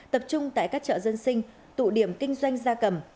tập trung tại các chợ dân sinh tụ điểm kinh doanh gia cầm